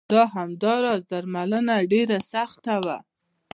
دا راز درملنه ډېره سخته وه.